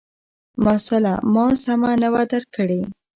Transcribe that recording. مسأله ما سمه نه وه درک کړې،